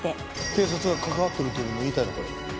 警察が関わっているとでも言いたいのか？